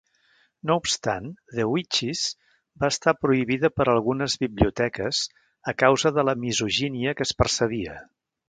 No obstant, "The Witches" va estar prohibida per algunes biblioteques a causa de la misogínia que es percebia.